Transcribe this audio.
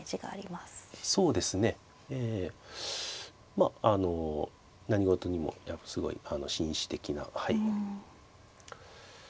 まああの何事にもすごい紳士的な。